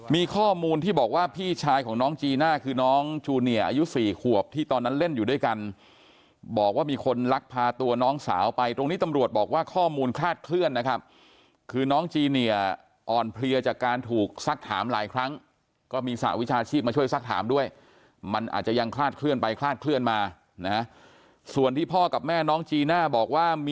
มีข้อมูลที่บอกว่าพี่ชายของน้องจีน่าคือน้องจูเนียอายุสี่ขวบที่ตอนนั้นเล่นอยู่ด้วยกันบอกว่ามีคนลักพาตัวน้องสาวไปตรงนี้ตำรวจบอกว่าข้อมูลคลาดเคลื่อนนะครับคือน้องจีเนียอ่อนเพลียจากการถูกสักถามหลายครั้งก็มีสหวิชาชีพมาช่วยสักถามด้วยมันอาจจะยังคลาดเคลื่อนไปคลาดเคลื่อนมานะส่วนที่พ่อกับแม่น้องจีน่าบอกว่ามี